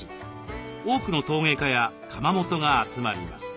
多くの陶芸家や窯元が集まります。